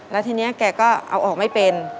แล้วทีนี้แกก็เอาออกไม่เป็น